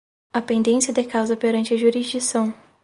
A pendência de causa perante a jurisdição